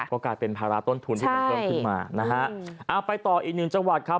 ก็กลายเป็นภาระต้นทุนที่มันเพิ่มขึ้นมานะฮะเอาไปต่ออีกหนึ่งจังหวัดครับ